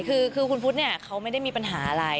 คือคุณพุทธเนี่ยเขาไม่ได้มีปัญหาอะไร